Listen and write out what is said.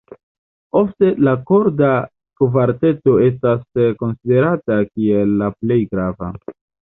Ofte la korda kvarteto estas konsiderata kiel la plej grava.